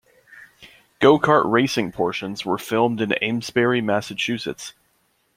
The go-kart racing portions were filmed in Amesbury, Massachusetts.